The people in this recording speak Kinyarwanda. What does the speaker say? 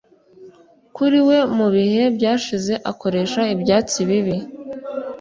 Kuri we mu bihe byashize akoresha ibyatsi bibi